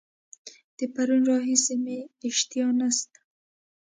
د پرون راهیسي مي اشتها نسته.